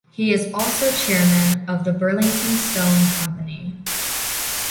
He is also chairman of the Burlington Stone Company.